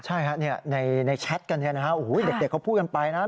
ใช่ในแชทกันเด็กเขาพูดกันไปนะ